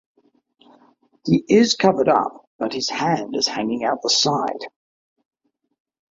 He is covered up, but his hand is hanging out the side.